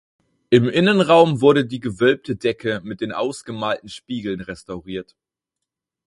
Im Innenraum wurde die gewölbte Decke mit den ausgemalten Spiegeln restauriert.